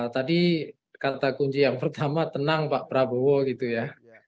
tadi kata kunci yang pertama tenang pak prabowo gitu ya